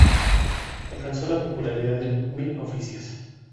Alcanzó la popularidad en "Mil Oficios".